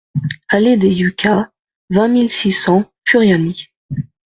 Allée des Yuccas, vingt mille six cents Furiani